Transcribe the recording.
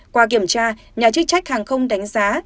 qua kiểm tra nhà chức trách hàng không đánh giá